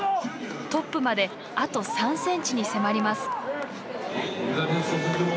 トップまであと３ｃｍに迫ります。